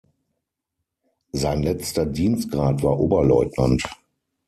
Sein letzter Dienstgrad war Oberleutnant.